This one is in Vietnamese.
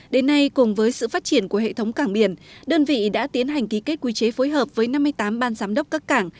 đến nay cùng với sự phát triển của hệ thống cảng biển đơn vị đã tiến hành ký kết quy chế phối hợp với năm mươi tám ban giám đốc các cảng